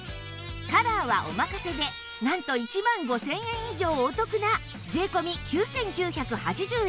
カラーはお任せでなんと１万５０００円以上お得な税込９９８０円